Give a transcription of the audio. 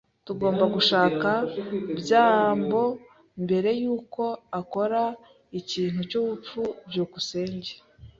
Tugomba gushaka byambo mbere yuko akora ikintu cyubupfu. byukusenge